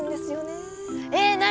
え何！？